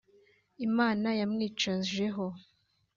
Imana yamwicajeho